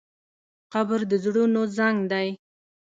قبر د زړونو زنګ دی.